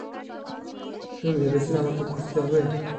তুমি ভেবেছিলে আমাকে খুঁজতে হবে?